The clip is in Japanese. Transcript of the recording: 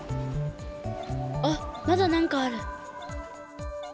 あっまだなんかある。